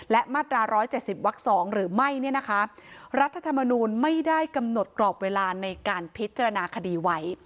และมาตรา๑๗๐วัก๒หรือไม่เนี่ยนะคะรัฐธรรมนูลไม่ได้กำหนดกรอบเวลาในการพิจารณาคดีไว้